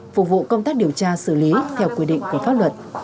phục vụ công tác điều tra xử lý theo quy định của pháp luật